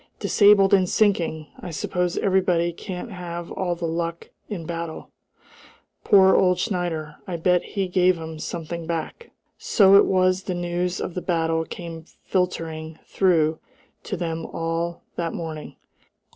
"Disabled and sinking! I suppose everybody can't have all the luck in a battle. Poor old Schneider! I bet he gave 'em something back!" So it was the news of the battle came filtering through to them all that morning.